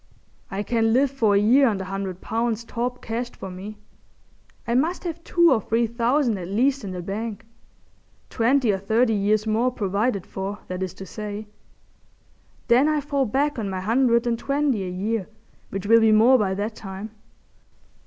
I can live for a year on the hundred pounds Torp cashed for me. I must have two or three thousand at least in the Bank—twenty or thirty years more provided for, that is to say. Then I fall back on my hundred and twenty a year, which will be more by that time.